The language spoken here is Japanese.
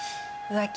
浮気？